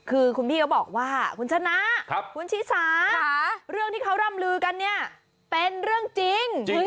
คือคุณพี่เขาบอกว่าคุณชนะคุณชิสาเรื่องที่เขาร่ำลือกันเนี่ยเป็นเรื่องจริง